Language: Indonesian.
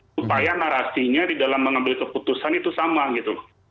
supaya narasinya di dalam mengambil keputusan itu sama gitu